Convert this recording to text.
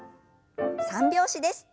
三拍子です。